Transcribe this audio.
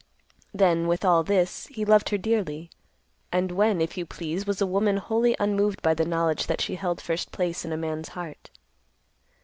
Then, with all this, he loved her dearly; and when, if you please, was ever a woman wholly unmoved by the knowledge that she held first place in a man's heart?